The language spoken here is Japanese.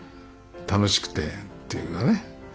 楽しくてっていうかね。